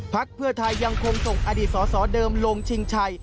เพื่อไทยยังคงส่งอดีตสอสอเดิมลงชิงชัย